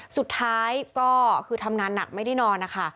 สุดท้ายก็คือทำงานหนักไม่ได้นอนนะคะ